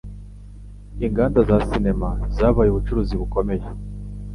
Inganda za sinema zabaye ubucuruzi bukomeye.